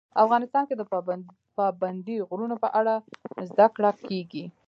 افغانستان کې د پابندی غرونه په اړه زده کړه کېږي.